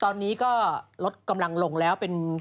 ตอนนี้ก็รถกำลังลงแล้ว